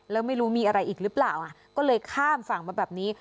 แล้วไม่รู้มีอะไรอีกหรือเปล่าก็เลยข้ามฝั่งมาแบบนี้